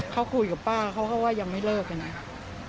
เขาคุยกับป้าเขาก็ว่ายังไม่เลิกเลยนะ